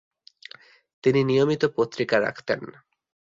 তিনি নিয়মিত পত্রিকা রাখতেন।